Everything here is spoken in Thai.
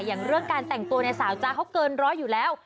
อย่างเรื่องการแต่งตัวเนี่ยสาวจ๊ะเขาเกินร้อยอยู่แล้ว